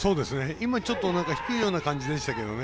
今、ちょっと低いような感じでしたけどね。